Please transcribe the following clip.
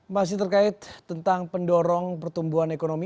masih terkait tentang pendorong pertumbuhan ekonomi